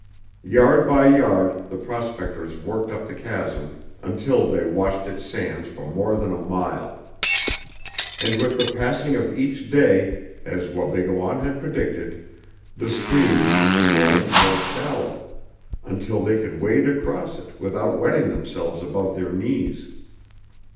Yard by yard the prospectors worked up the chasm until they had washed its sands for more than a mile. And with the passing of each day, as Wabigoon had predicted, the stream became more and more shallow, until they could wade across it without wetting themselves above their knees.